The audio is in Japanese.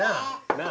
なあ。